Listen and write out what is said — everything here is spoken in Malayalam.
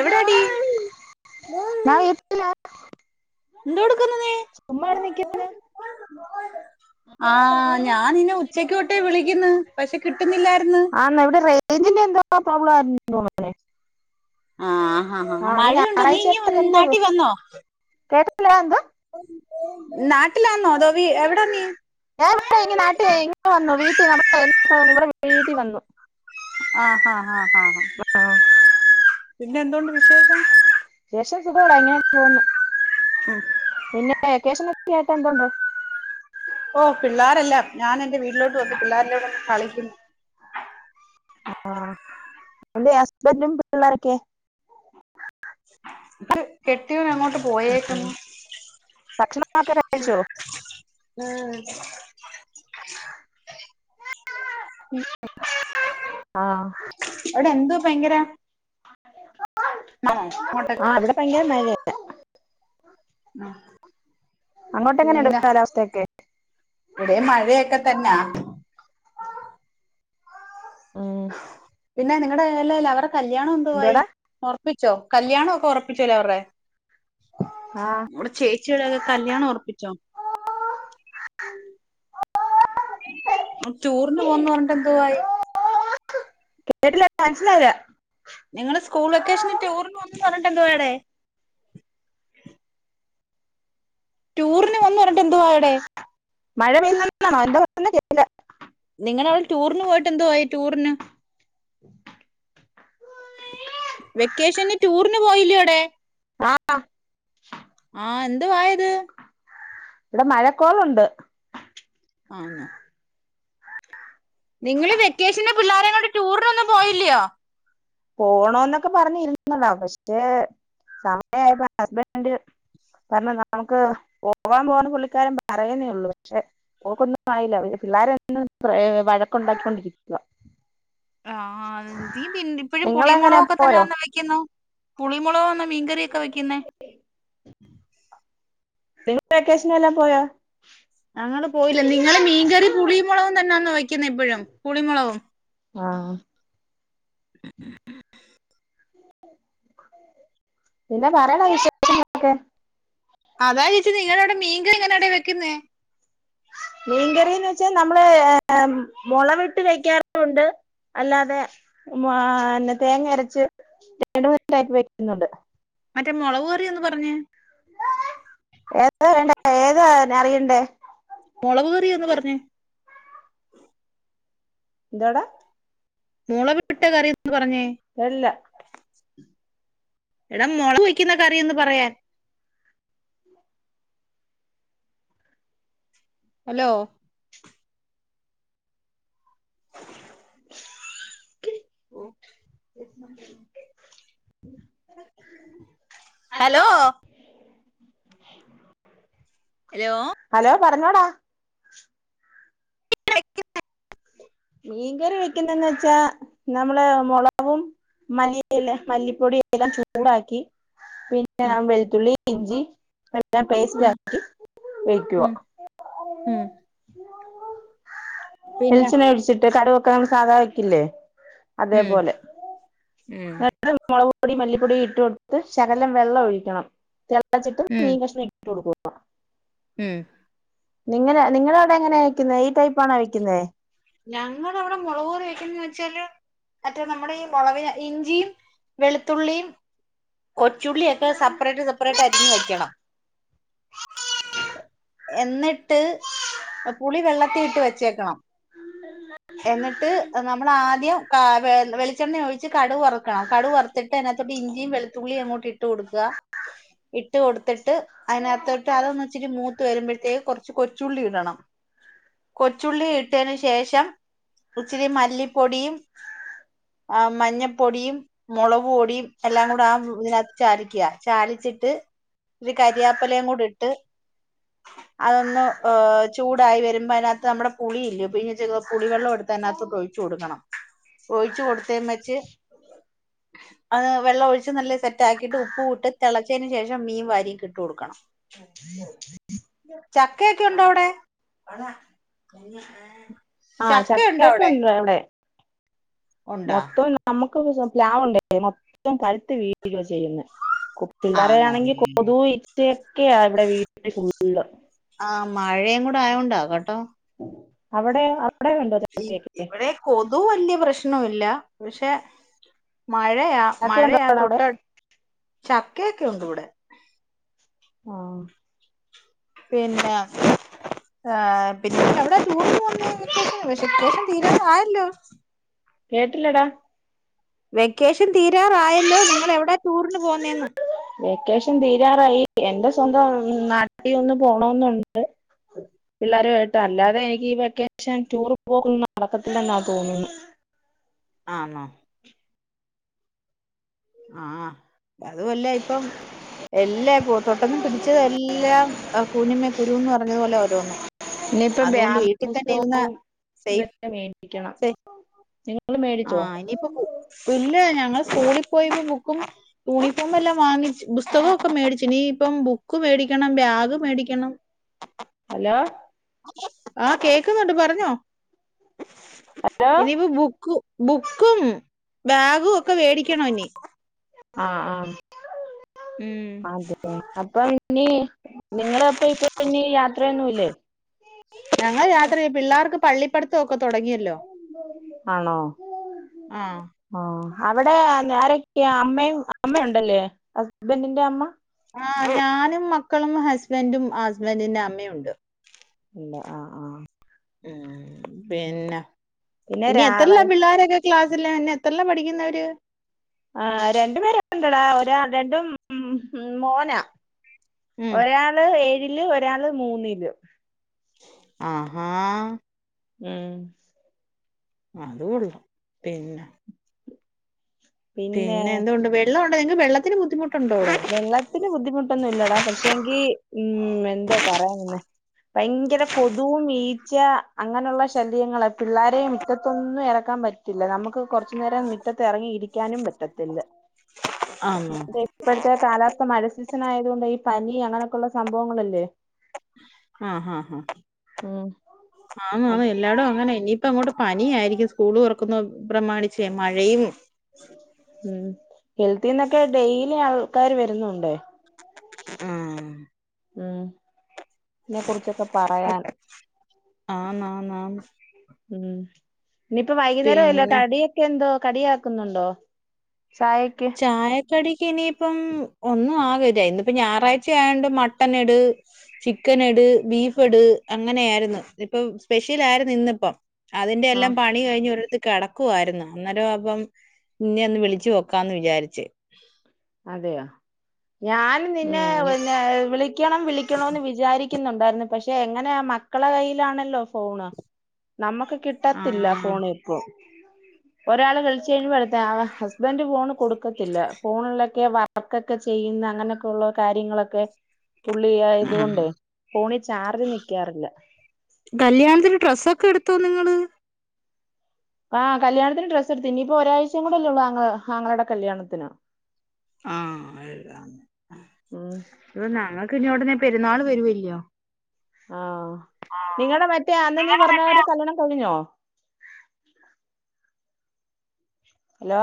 എവിടാടി ഞാൻ വീട്ടില എന്തോടുക്കുന്നു നീ ചുമ്മാ ഇവിടെ നിൽക്കുന്നു ആ ഞാൻ നിന്നെ ഉച്ചക്ക് തൊട്ടേ വിളിക്കുന്നു പക്ഷെ കിട്ടുന്നില്ലാരുന്നു [unintelligible] പ്രേബ്ളം [unintelligible] ആ ഹ ഹ മഴയുണ്ടോ ഞായറാഴ്ച ആയിട്ടൊക്കെ നീയിങ്ങ് എന്തോ നാട്ടി വന്നോ കേട്ടില്ല എന്തോ നാട്ടിലാന്നോ അതോ വീ എവിടാ നീ ഞാൻ ഇവിടെ ഇങ്ങ് നാട്ടിൽ ഇങ്ങ് വന്നു വീട്ടിൽ നമ്മ [unintelligible] വീട്ടിൽ വന്നു ആ ആ ആ ആ ആ പിന്നെ എന്തോണ്ട് വിശേഷം വിശേഷം സുവോടെ ഇങ്ങനെയൊക്കെ പോന്നു പിന്നെ വെക്കേഷന കേട്ട്എന്തൊണ്ട് ഓ പിള്ളോരല്ലാം ഞാൻ എന്റെ വീട്ടിലോട്ട് വന്ന് പിള്ളേരെല്ലാം ഇവിടനിന്ന് കളിക്കുന്നു ആ എന്തിയെ ഹസ്ബന്റും പിള്ളേരുമൊക്കെ ആഹ് കെ കെട്ടിയോൻ അങ്ങോട്ട് പോയേക്കുന്നു ഭക്ഷണമൊക്കെ കഴിച്ചോ ആ ആ അവിടെ എന്തു ഭയങ്കര മഴ അങ്ങോട്ടൊക്കെ ആ ഇവിടെ ഭയങ്കര മഴ തന്നെ അങ്ങോട്ട് എങ്ങനെയുണ്ട് പിന്നെ കാലാവസ്ഥയൊക്കെ ഇവിടെ മഴയൊക്കെ തന്നെ ഉം പിന്നെ നിങ്ങളുടെയില്ലേ ലവിടെ കല്യാണം എന്തോടാ എന്തുവായിഉറ ഉറപ്പിച്ചോ കല്യാണമ ഒക്കെ ഉറപ്പിച്ചലേ അവരെ ആ നമ്മടെ ചേച്ചിടെക്കെ കല്യാണം ഉറപ്പിച്ചോ ടുറിന് പോകുന്ന് പറഞ്ഞിട്ടെന്തുവായി കേട്ടില്ല മനസ്സിലായില്ല നിങ്ങള് സ്കൂൾ വെക്കേഷന് ടൂറിന് പോവുന്ന് പറഞ്ഞിട്ട് എന്തുവായെടെ ടൂറിന് പോന്ന് പറഞ്ഞ മഴ പെയണോ [unintelligible] എന്ത ന്നല്ല [inaudible] നിങ്ങ അവടെ ടൂറിന് പോയിട്ട് എന്തോവായി ടൂറിന് വെക്കേന് ടൂറിന് പോയില്ല്യൊടെ ആ ആഹ എന്തു വായത് ഇവിടെ മഴക്കോളുണ്ട് ആന്നോ നിങ്ങള് വെക്കേഷന് പിള്ളേരേ കൊണ്ട് ടൂറിനൊന്നും പോയില്ലയോ പോണന്നൊക്കെ പറഞ്ഞിരുന്ന താ പക്ഷേ സമയയപ്പോ ഹസ്ബൻഡ് പറഞ്ഞ നമുക്ക് പോവാൻ പോണ പുള്ളിക്കാരും പറയുന്നേള്ളൂ പക്ഷെ പോക്കൊന്നും ആയില്ല പിള്ളേരും വഴക്കുണ്ടാക്കിക്കൊണ്ടിരിക്കുക ആഹ് നീ ഇപ്പഴും നിങ്ങളെങ്ങനെ പുളിയമുളകൊക്കെ പോയോ തന്നെയന്ന വെക്കുന്നോ പുളി മുളകോന്നോ മീൻകറിയൊക്കെ വെക്കുന്നെ നിങ്ങൾ വെക്കേഷന എല്ലാം പോയാ ഞങ്ങള്പോയില്ല നിങ്ങള് മീൻകറി പുളിമുളകും തന്നെയാന്നോ വയ്ക്കുന്ന ഇപ്പഴും പുളിമുളകും ആ പിന്നെ പറയണ വിശേഷളൊക്കെ അതാ ചോയ്ച്ചേ നിങ്ങളവിടെ മീൻകറി എങ്ങനെടാ വെക്കുന്നേ മീൻകറിന്ന് വെച്ചാ നമ്മള് ഏ മൊളവിട്ട് വെക്കാറുണ്ട് അല്ലാതെ ഏ തേങ്ങ അരച്ച് രണ്ട് യിട്ട് വെക്ക്ന്നുണ്ട് മറ്റേ മുളക് കറിയൊന്ന് പറഞ്ഞെ ഏതാ വേണ്ട ഏതാ അറിയണ്ടേ മൊളക് കറിയൊന്ന് പറഞ്ഞെ ന്താടാ മുളക് ട്ട കറിയൊന്ന് പറഞ്ഞേ വെള്ള എടാ മുളക് വയ്ക്കുന്ന കറി ഒന്ന് പറയാൻ ഹലോ ഹലോ ഹലോ ഹലോ പറഞ്ഞോടാ [unintelligible] മീൻകറി വെക്കുന്നേന്ന് വെച്ചാ നമ്മള് മുളകും മല്ലി ല്ലെ മല്ലിപ്പൊടി എല്ലാം ചൂടാക്കി പിന്നെ ഉം [unintelligible] വെള്ത്തുള്ളി ഇഞ്ചി എല്ലാം പേസ്റ്റ് ഉം ആക്കി വെയ്ക്കുവ. ഉം പിന്നെ വെളിച്ചെണ്ണ ഒഴിച്ച് കടവൊക്കെ സാധാ വെക്കില്ലേ ഉം അതേപോലെ ഉം [unintelligible] പൊടി മല്ലിപ്പൊടി ഇട്ട് കൊടുത്ത് ശകലം വെള്ളം ഒഴിക്കണം തി ളച്ചിട്ട് ഉം മീൻ കഷ്ണം ഇ ട്ടുകൊടുക്കുക. ഉം നിങ്ങെനെ നിങ്ങള അവിടെ എങ്ങനെയാ വെക്കുന്നേ ഈ ടൈപ്പാണോ വെയ്ക്കുന്നേ ഞങ്ങളവിടെ മുളക് കറി വയ്കുന്നന്ന് വെച്ചാല് മറ്റേ നമ്മുടെ ഈ മുളവിനെ ഇഞ്ചിയും വെളുത്തുള്ളിയും കൊച്ചുള്ളി ഒക്കെ സപ്പ്റേറ്റ് സപ്പ്റേറ്റ് അരിഞ്ഞു വയ്ക്കണം. എന്നിട്ട് പുളി വെള്ളത്തി ഇട്ട് വെച്ചേക്കണം എന്നിട്ട് നമ്മള് ആദ്യം കാ വെ വെളിച്ചെണ്ണ ഒഴിച്ച് കടുക് വറുക്കണം. കടുക് വറുത്തിട്ട് അതിനകത്തോട്ട് ഇഞ്ചിയും വെളുത്തുള്ളിയും അങ്ങോട്ട് ഇട്ട് കൊടുക്കുക. ഇട്ട് കൊടുത്തിട്ട് അതിനകത്തോട്ട് അതൊന്നിച്ചിരി മൂത് ത്ത് വരുമ്പഴ്ത്തേ കുറച്ച് കൊച്ചുള്ളി ഇടണം. കൊച്ചുള്ളി ഇട്ടേന് ശേ ശേഷം ഇച്ചിരി മല്ലിപ്പൊടിയും ആ മഞ്ഞപ്പൊടിയും മുളകുപൊടി ടിയും എല്ലാം കൂടെ ആ ഇതിനകത്ത് ചാലിക്ക്യ ചാലിച്ചിട്ട് ഒരു കരിയാപ്പലയും കൂട ഇട്ട് അതൊന്നു ഓ ചൂടായി വരുമ്പോ അതിനകത്ത് നമ്മുട പുളിയില്ല്യോ പി [unintelligible] പുളിവെള്ളോ എടുത്ത് അതിനകത്തക്ക് ഒഴിച്ചു കൊടുക്കണം. ഒഴിച്ചു കൊടുത്തേമെച്ച് അത് വെള്ളം ഒഴിച്ച് നല്ല സെറ്റാക്കിട്ട് ഉപ്പു ഇട്ട് തിളച്ചേന് ശേഷം മീൻ വാരീക്ക് ഇട്ടു കൊടുക്കണം. ചക്കയൊക്കെ ഉണ്ടോ അവിടെ ആ ചക്ക ഉണ്ടോ ചക്കയൊക്കെ അവിടെ ഉണ്ട ഇവിടെ ഉണ്ടാ മൊത്തം നമുക്ക് [unintelligible] പ്ലാവുണ്ടേ മൊത്തം പഴുത്ത് വീഴു ആ ചെയ്യുന്നെ കൊ പിള്ളാരെ ആന്നോ ആണെങ്കിൽ കൊതു ഈച്ചയൊക്കെയാ ഇവിടെ വീടില് ഫു ഇല്ല ആ മഴയും കൂടെ ആയോണ്ടാ അവിടെ അവിടെ ഉണ്ടോ [unintelligible] ചക്കയൊക്കെ ഇവിടെ കൊതു വലിയ പ്രശ്ന പ്രശനല്ല പക്ഷെ മഴയാ ചക്ക ഉണ്ടോ മഴയാ അവിടെ തൊട്ടടു ചക്കയൊക്കെ ഉണ്ട് ഇവിടെ ആ പിന്നെ ഏഹ പിന്നെ ഇവിടെ ചൂ വെക്കേഷൻ വെക്കേഷൻ തീരാറാആയല്ലോ കേട്ടില്ലടാ വെക്കേഷൻ തീരാറായല്ലോ നിങ്ങ എവിടാ ടൂറിന് പോന്നേന്ന് റായി എന്റെ സ്വന്തം നാട്ടിൽ ഒന്ന് പോണന്നുണ്ട് പിള്ളേരു കേമായിട്ട് അല്ലാതെ എനിക്ക് വെക്കെ ട്യൂഷൻ ടൂർ പോകുന്നു നടക്കത്തില്ലെന്നാ തോന്നുന്നു ആണോ ആഹാ അത് വല്ല ഇപ്പം എല്ലാ ഇപ്പൊ തൊട്ടന്നും പിടിച്ചത് എല്ലാം കുനിമ്മേ കുരുന്ന് പറഞ്ഞതുപോലെ ഓരോന്നും ഇനിയിപ്പാ അതുകൊണ്ട് ബാഗും വീട്ടി തന്നെ ഇരുന്ന പുസ്തകവും സേഫ് മേടിക്കണം നിങ്ങൾ ആ മേടിച്ചോ ഇനിയിപ്പോ ഇല്ല ഞങ്ങള് സ്കൂളിൽ പോയിപ്പം ബുക്കും യൂണിഫോമ എല്ലാം വാങ്ങിച്ച് പുസ്തകമൊക്കെ മേടിച്ചു നീ ഇപ്പം ബുക്ക് മേടിക്കണം ബാഗ് മേടിക്കണം ഹലോ ആ കേക്കുന്നുണ്ട് പറഞ്ഞോ ഹലോ ഇനിപ്പോ ബു ബുക്കും ബാഗും ഒക്കെ വേടിക്കണ ഇനി ആഹ് ആഹ് ഉം അതെ അപ്പം ഇനി നിങ്ങളപ്പ ഇപ്പ ഇനി യാത്രയൊന്നും ഇല്ലേ പള്ളി പടുത്ത ആണോ ആഹ് ആ അവിടെ [unintelligible] ഈ അമ്മയും അമ്മയുണ്ടല്ലേ അ ബന്റിന്റെ അമ്മ ആ ഞാനും മക്കളും ഹസ്ബൻറും ഹസ്ബന്റിന്റെ അമ്മയൊണ്ട് ഇല്ല ആ ആ ഉം ഉം. പിന്നെ പിന്നെ ഇനി രാ എത്ര ല്ല വൈ പിള്ളേരൊക്കെ ക്ലാസ്സില പിന്നെ എത്ര ല്ലാ പഠിക്കുന്നവര് ആ രണ്ടു പേര്ണ്ടൊടാ ഒരാ രണ്ടും മ് മോന ഉം ഒരാള് എഴ് ഇല് ഒരാള് മൂന്നില് ആഹാ ഉം അത് കൊള്ളും പിന്നെ പിന്നെ എന്തൊണ്ട് വെള്ള - [unintelligible] വെള്ളത്തിന് ബുദ്ധിമു- വെള്ളത്തിന് ബുദ്ധിമുട്ടൊന്നുംല്ലടാ പക്ഷേെങ്കി ഊം എന്തോ പറയാൻനിന്നെ ഭയങ്കര കൊതും ഈ- ച്ച അങ്ങനെയുള്ള ശല്യങ്ങളാ പിള്ളാരെ മിറ്റത്തൊന്നും എറക്കാൻ പറ്റില്ല നമുക്ക് കുറച്ചുനരം മിറ്റത്തിറങ്ങി ഇരിക്കാനും പറ്റത്തില്ല ആന്നോ ഇപ്പോഴത്തെ കാലാവസ്ഥ മഴ സീസൺ ആയതോ ണ്ട് ഈ പനി അങ്ങനൊക്കെള്ള സംഭവങ്ങളല്ലേ ആഹ് ആഹ് ആഹ് ഉം ആന്നു ആന്നു എല്ലാടും അങ്ങനെ ഇനി ഇപ്പൊ അങ്ങോട്ട് പനിയായിരിക്കും സ്കൂള് തുറക്കുന്ന പ്രമാണിച്ചേ മഴയും ഉം ഹെൽത്തിന്നൊക്കെ ഡെയിലി ആ ക്കാര് വരുന്നുണ്ടേ. ആഹ് ഉം ന്നെ കുറിച്ചൊക്കെ പറയാൻ ആന്ന് ആന്ന് ആന്ന് ഉം ഇനിപ്പ വൈകുന്നേരായല്ലോ പിന്നെ കടിയൊക്കെ എന്തോ? കടിയാക്കുന്നുണ്ടോ? ചായക്ക് ചായ കടിക്കിനി പ്പം ഒന്നും [unintelligible] ഇന്നിപ്പ ഞായറാഴ്ച ആയോണ്ട് മട്ടൻ ഇട് ചിക്കൻ ഇട് ബീഫ് ഇട് അങ്ങനെയായിരുന്നു ഇപ്പൊ സ്പെഷ്യൽ ആയിരുന്നു ഇന്നിപ്പം. അതിന്റെ ആ എല്ലാം പണി കഴിഞ്ഞു ഒരിട ത്ത് കിടക്കുവായിരുന്നു അന്നേരം അപ്പം നെന്നെ ഒന്ന് വിളിച്ചു നോ ക്കാന്ന് വിചാരിച്ച്. അതെയാ ഞാൻ നിന്നെ ഉം ഇനി പിന്നെ വിളിക്കണം വിളിക്കണന്ന് വിചാരി ക്കുന്നുണ്ടായിരുന്നു പക്ഷെ എങ്ങനാ മക്കളെ കയ്യിലാണല്ലോ ഫോണ്. നമ്മക്ക് കിട്ടത്തില്ല ആഹ് ഫോൺ ഇപ്പോ ഒരാള് കളിച്ചു കഴിയുമ്പടുത്തയാള് ഹസ്ബന്റ് ഫോണ് കൊടുക്കത്തില്ല ഫോണ്ള്ള ക്കെ വർക്കൊക്കെ ചെയ്യുന്ന അങ്ങനെയൊക്കെ ഉള്ള കാര്യങ്ങളൊക്കെ പുള്ളിയായതു ആഹ് കൊണ്ടേ ഫോണി ചാർജ് നിക്കാറില്ല. ത്തോ നിങ്ങള്? ആ കല്യാണത്തിന് ഡ്രസ്സ് എടുത്ത് ഇനിപ്പൊ ഒരാഴ്ചയും കൂടല്ലേ ഉള്ളൂ ആങ്ങള ആങ്ങളേടെ കല്യാണത്തിന്. ആഹ് അത ഉം ഇ പിന്നോണ്ടനെ പെരുനാൾ വരുവല്ലയോ ആഹ് ആ നിങ്ങളടെ മറ്റേ അന്ന് നീ നിങ്ങടെ മറ്റേ പറഞ്ഞവരുടെ കല്യാണം കഴിഞ്ഞോ [inaudible] ഹലോ